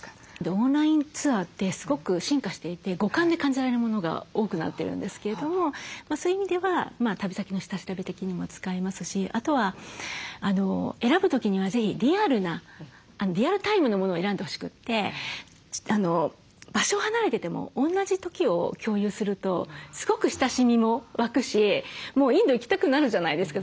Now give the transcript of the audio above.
オンラインツアーってすごく進化していて五感で感じられるものが多くなってるんですけれどもそういう意味では旅先の下調べ的にも使えますしあとは選ぶ時には是非リアルなリアルタイムのものを選んでほしくて場所離れてても同じ時を共有するとすごく親しみも湧くしもうインド行きたくなるじゃないですか。